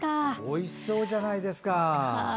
おいしそうじゃないですか。